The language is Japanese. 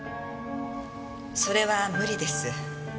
それは無理です。